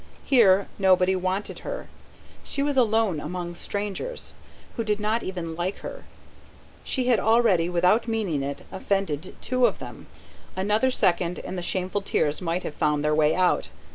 Here, nobody wanted her ... she was alone among strangers, who did not even like her ... she had already, without meaning it, offended two of them. Another second, and the shameful tears might have found their way out.